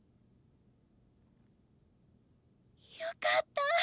よかった！